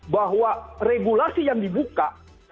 bahwa regulasi yang dibuka